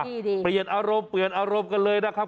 เปลี่ยนอารมณ์เปลี่ยนอารมณ์กันเลยนะครับ